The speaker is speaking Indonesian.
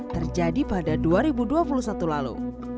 terjadi pada dua ribu dua puluh satu lalu